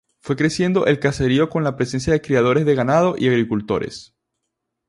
Fue creciendo el caserío con la presencia de criadores de ganado y agricultores.